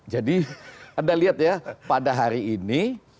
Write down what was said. jadi anda lihat ya pada hari ini